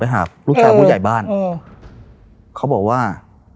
หาบลูกชายผู้ใหญ่บ้านอ๋อเขาบอกว่า